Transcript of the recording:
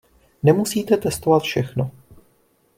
Nemusíte testovat všechno.